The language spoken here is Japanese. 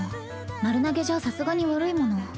丸投げじゃさすがに悪いもの。